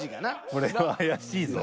これは怪しいぞ。